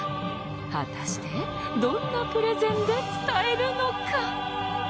果たしてどんなプレゼンで伝えるのか？